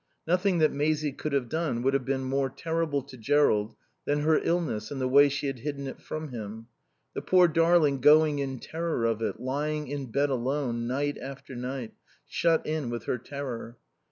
Nothing that Maisie could have done would have been more terrible to Jerrold than her illness and the way she had hidden it from him; the poor darling going in terror of it, lying in bed alone, night after night, shut in with her terror.